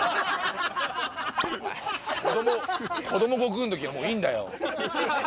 子供悟空のときはもういいんだよ。